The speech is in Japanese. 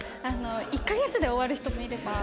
１カ月で終わる人もいれば。